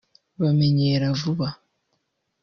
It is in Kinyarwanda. bamenyera vuba